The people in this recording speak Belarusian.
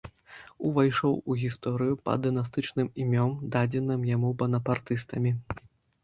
Увайшоў у гісторыю пад дынастычным імем, дадзеным яму банапартыстамі.